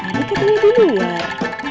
tapi katanya di luar